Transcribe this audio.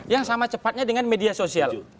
yang sama cepatnya dengan media sosial